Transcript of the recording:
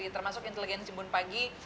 termasuk inteligenci mbun pagi